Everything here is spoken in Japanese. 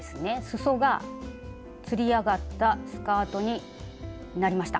すそがつり上がったスカートになりました。